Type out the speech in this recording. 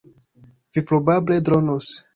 Vi probable dronos.